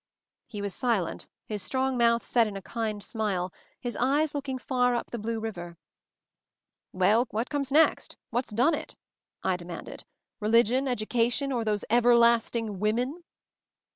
He was silent, his strong mouth set in a kind smile, his eyes looking far up the blue river. MOVING THE MOUNTAIN 187 "Well, what comes next? What's done it?" I demanded. "Religion, education, or those everlasting women?"